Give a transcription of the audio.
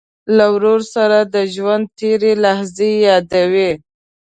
ورور سره د ژوند تېرې لحظې یادوې.